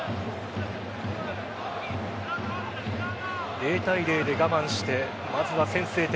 ０対０で我慢してまずは先制点。